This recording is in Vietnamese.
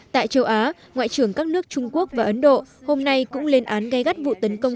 tại châu á ngoại trưởng các nước trung quốc và ấn độ hôm nay cũng lên án gai gắt vụ tấn công